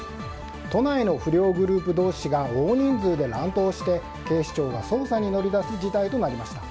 都内の不良グループ同士が大人数で乱闘して警視庁が捜査に乗り出す事態となりました。